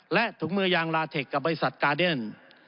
และถุงมือยางลาเทคกับบริษัทกาเดน